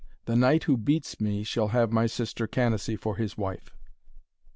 The knight who beats me shall have my sister Canacee for his wife.'